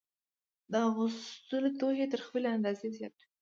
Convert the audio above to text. د اغوستلو توکي تر خپلې اندازې زیات وي